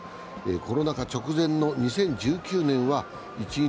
コロナ禍直前の２０１９年は一日